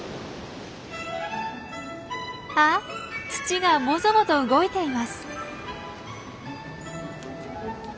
あ土がもぞもぞ動いています。